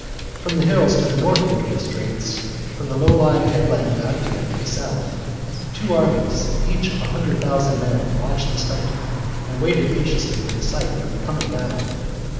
From the hills to the northward of the straits, from the low lying headland of Actium to the south, two armies, each of a hundred thousand men, watched the spectacle, and waited anxiously for the sight of the coming battle.